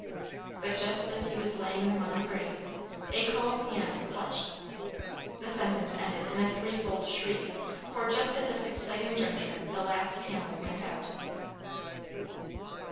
But just as he was laying them on the grave, a cold hand clutched " The sentence ended in a three fold shriek, for just at this exciting juncture the last candle went out.